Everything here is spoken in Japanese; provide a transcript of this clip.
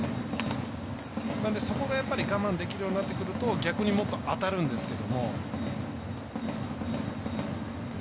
なので、そこで我慢できるようになってくると逆にもっと当たるんですけども。